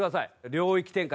領域展開！